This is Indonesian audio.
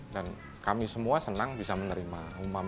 dan kami semua senang bisa menerima humam